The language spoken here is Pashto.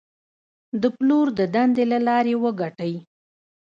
د پلور د دندې له لارې وګټئ.